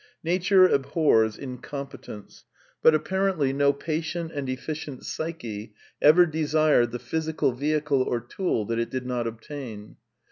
Nature abhors incompetence. But apparently no pa tient and efficient psyche ever desired the physical vehicle or tool that it did not obtain.